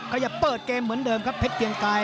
ตัวแรกครับขยับเปิดเกมเหมือนเดิมครับเพชรเกียงไก